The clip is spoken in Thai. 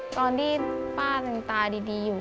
ตอนที่ป้ายังตาดีอยู่